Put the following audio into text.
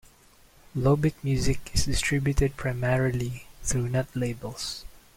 Low-bit music is distributed primarily through net labels.